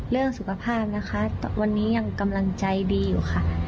เรื่องสุขภาพนะคะวันนี้ยังกำลังใจดีอยู่ค่ะ